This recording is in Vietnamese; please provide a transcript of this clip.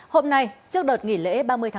hôm nay trước đợt nghỉ lễ